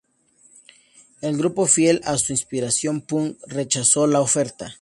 El grupo, fiel a su inspiración punk, rechazó la oferta.